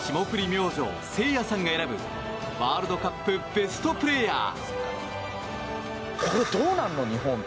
明星せいやさんが選ぶワールドカップベストプレーヤー。